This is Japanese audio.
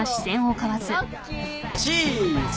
チーズ！